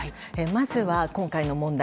まずは今回の問題